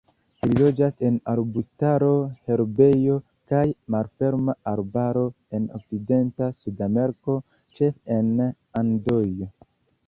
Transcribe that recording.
Ili loĝas en arbustaro, herbejo kaj malferma arbaro en okcidenta Sudameriko, ĉefe en Andoj.